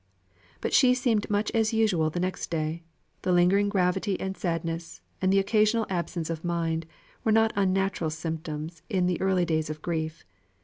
But she seemed much as usual the next day; the lingering gravity and sadness, and the occasional absence of mind, were not unnatural symptoms in the early days of grief.